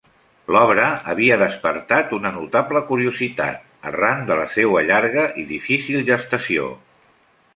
L'obra havia despertat una notable curiositat, arran de la seua llarga i difícil gestació.